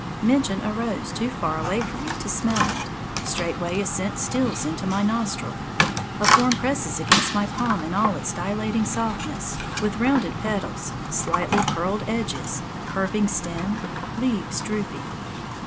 Mention a rose too far away for me to smell it. Straightway a scent steals into my nostril, a form presses against my palm in all its dilating softness, with rounded petals, slightly curled edges, curving stem, leaves drooping.